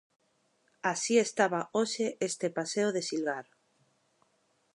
Así estaba hoxe este paseo de Silgar.